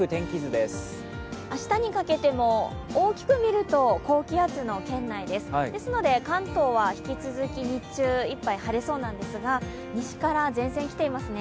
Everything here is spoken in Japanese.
明日にかけても大きく見ると高気圧の圏内です。ですので、関東は引き続き、日中いっぱい晴れそうなんですが西から前線来ていますね。